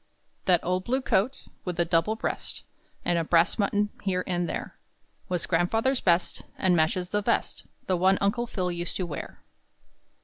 That old blue coat, With a double breast And a brass button here and there, Was grandfather's best, And matches the vest The one Uncle Phil used to wear.